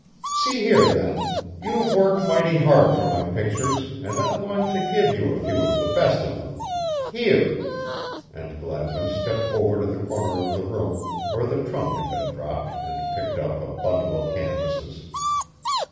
"See here, then you've worked mighty hard for my pictures and I'm going to give you a few of the best of them. Here!" And Gladwin stepped over to the corner of the room where the trunk had been dropped and picked up a bundle of canvases.